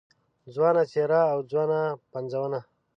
ځوانه څېره او ځوانه پنځونه